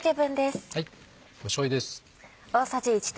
しょうゆです。